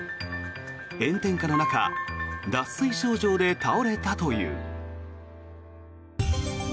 炎天下の中脱水症状で倒れたという。